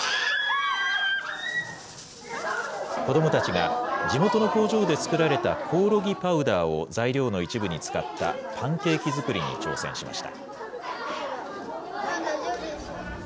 子どもたちが地元の工場で作られたコオロギパウダーを材料の一部に使ったパンケーキ作りに挑戦しました。